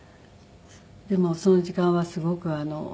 でもその時間はすごく穏やかで。